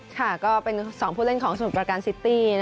ค่ะก็เป็น๒ผู้เล่นของสมุทรประการซิตี้